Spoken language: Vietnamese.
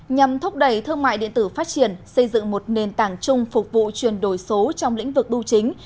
nhằm thúc đẩy thương mại điện tử phát triển xây dựng một nền tảng chung phục vụ chuyển đổi số trong lĩnh vực bưu chính